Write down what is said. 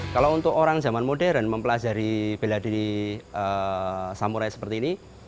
kalau untuk orang zaman modern mempelajari bela diri samurai seperti ini